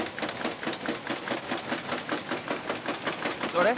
あれ？